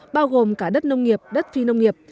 bao gồm cả đất nông nghiệp đất phi nông nghiệp